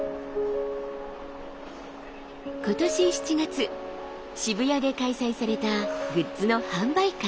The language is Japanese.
今年７月渋谷で開催されたグッズの販売会。